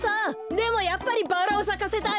でもやっぱりバラをさかせたい。